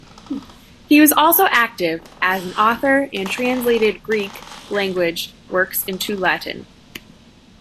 He was also active as an author, and translated Greek language works into Latin.